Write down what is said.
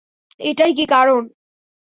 এটাই কি কারন?